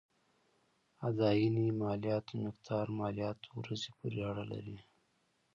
اداينې مالياتو مقدار مالياتو ورځې پورې اړه لري.